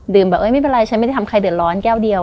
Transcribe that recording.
ดื่มแบบไม่เป็นไรไม่ได้ทำไปดื่มร้อนแก้วเดียว